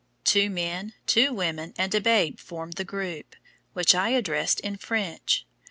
Two men, two women, and a babe formed the group, which I addressed in French.